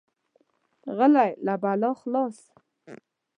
غلی، له بلا خلاص.